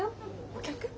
お客？